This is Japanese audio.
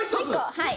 はい。